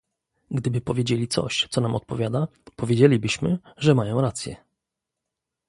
Gdyby powiedzieli coś, co nam odpowiada, powiedzielibyśmy, że mają rację